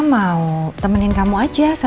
mau temenin kamu aja